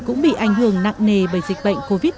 cũng bị ảnh hưởng nặng nề bởi dịch bệnh covid